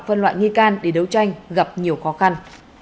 phân loại nghi can để đấu tranh gặp nhiều khó khăn